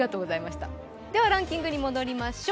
ではランキングに戻りましょう。